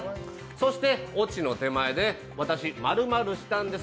そしてオチの手前で私○○したんです！